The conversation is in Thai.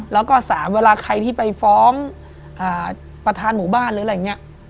แล้วก็๓เวลาใครที่ไปฟ้องประธานหมู่บ้านหรืออะไรอย่างนี้